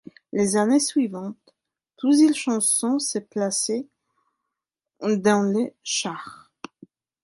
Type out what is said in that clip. Les années suivantes, plusieurs chansons se placent dans les charts.